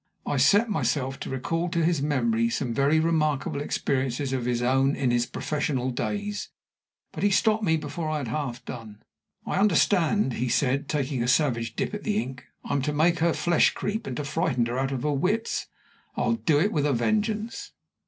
I set myself to recall to his memory some very remarkable experiences of his own in his professional days, but he stopped me before I had half done. "I understand," he said, taking a savage dip at the ink, "I'm to make her flesh creep, and to frighten her out of her wits. I'll do it with a vengeance!"